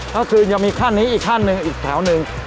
ก็คือยังมีขั้นนี้อีกขั้นหนึ่งอีกแถวหนึ่ง